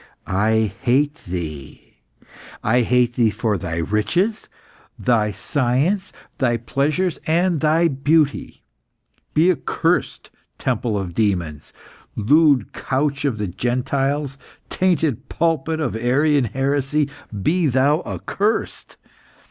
I hate thee! I hate thee for thy riches, thy science, thy pleasures, and thy beauty. Be accursed, temple of demons! Lewd couch of the Gentiles, tainted pulpit of Arian heresy, be thou accursed!